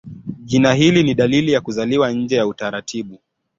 Jina hili ni dalili ya kuzaliwa nje ya utaratibu.